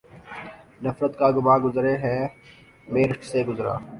لہذا مسلمانوں میں کوئی سیاسی نظم اگر قائم ہو گا۔